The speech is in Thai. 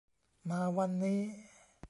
มาวันนี้